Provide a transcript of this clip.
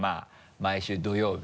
毎週土曜日？